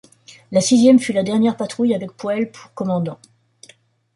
La sixième fut la dernière patrouille avec Poel pour commandant.